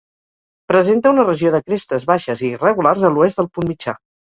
Presenta una regió de crestes baixes i irregulars a l'oest del punt mitjà.